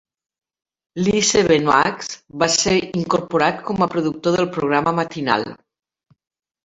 Lee Sevenoaks va ser incorporat com a productor del programa matinal.